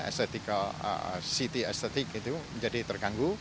estetical city estetik itu menjadi terganggu